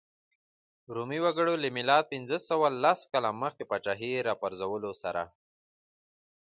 رومي وګړو له میلاد پنځه سوه لس کاله مخکې پاچاهۍ راپرځولو سره.